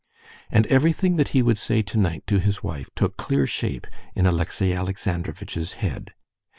And everything that he would say tonight to his wife took clear shape in Alexey Alexandrovitch's head.